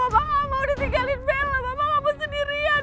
mama udah tinggalin bella mama mau bersendirian